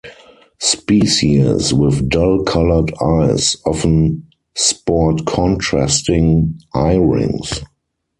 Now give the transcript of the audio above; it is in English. Species with dull coloured eyes often sport contrasting eyerings.